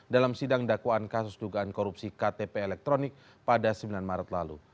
dalam sidang dakwaan kasus dugaan korupsi ktp elektronik pada sembilan maret lalu